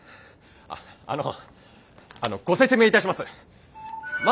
あのあのご説明いたします。